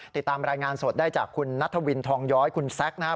ติดตามรายงานสดได้จากคุณนัทวินทองย้อยคุณแซคนะครับ